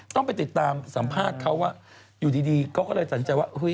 ต้องไปติดตามสัมภาษณ์เขาว่าอยู่ดีเขาก็เลยสัญญาว่า